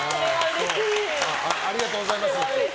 ありがとうございます。